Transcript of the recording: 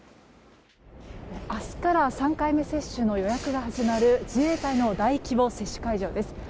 明日から３回目接種の予約が始まる自衛隊の大規模接種会場です。